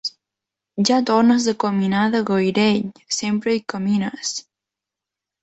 Ja tornes a caminar de gairell: sempre hi camines.